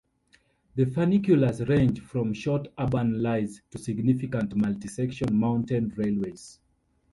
The funiculars range from short urban lines to significant multi-section mountain railways.